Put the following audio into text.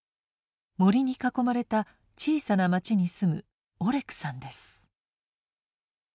森に囲まれた小さな町に住むオレクさんです。